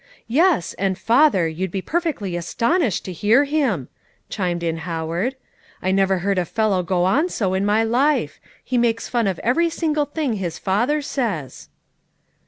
"Yes, and, father, you'd be perfectly astonished to hear him," chimed in Howard. "I never heard a fellow go on so in my life; he makes fun of every single thing his father says."